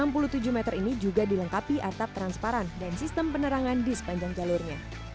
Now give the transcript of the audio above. enam puluh tujuh meter ini juga dilengkapi atap transparan dan sistem penerangan di sepanjang jalurnya